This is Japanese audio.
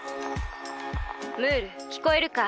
ムールきこえるか？